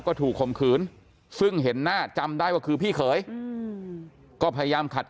ก็ถูกข่มขืนซึ่งเห็นหน้าจำได้ว่าคือพี่เขยก็พยายามขัด